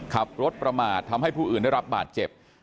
ขับรถประมาททำให้ผู้อื่นได้รับบาดเจ็บ